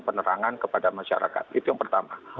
penerangan kepada masyarakat itu yang pertama